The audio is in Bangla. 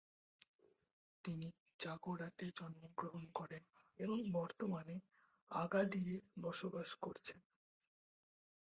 তিনি জাগোরাতে জন্মগ্রহণ করেন এবং বর্তমানে আগাদিরে বসবাস করছেন।